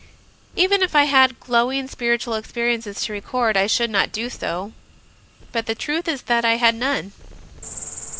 Even if I had glowing spiritual experiences to re ord, I should not do so; but the truth is that I had none.